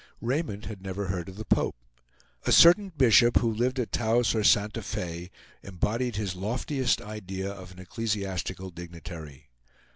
Raymond had never heard of the Pope. A certain bishop, who lived at Taos or at Santa Fe, embodied his loftiest idea of an ecclesiastical dignitary.